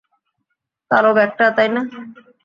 কালো ব্যাগটা, তাই না?